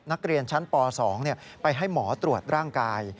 นักเรียนชั้นป๒ไปให้หมอตรวจร่างกาย